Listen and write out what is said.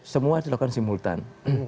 semua dilakukan simultan